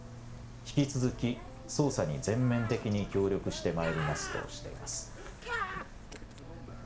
引き続き捜査に全面的に協力してまいりますとしています。